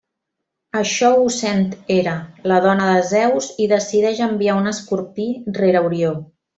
Això ho sent Hera, la dona de Zeus, i decideix enviar un escorpí rere Orió.